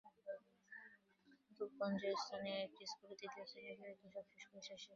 রূপগঞ্জের স্থানীয় একটি স্কুলের তৃতীয় শ্রেণীর পরীক্ষা সবে শেষ করেছে সে।